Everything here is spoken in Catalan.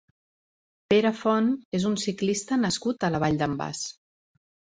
Pere Font és un ciclista nascut a la Vall d'en Bas.